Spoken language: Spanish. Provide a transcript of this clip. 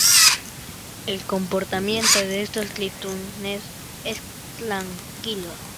El comportamiento de estos tritones es tranquilo.